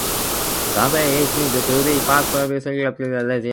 Cumby is considered to be part of the humid subtropical region.